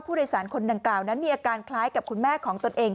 ผู้โดยสารคนดังกล่าวนั้นมีอาการคล้ายกับคุณแม่ของตนเอง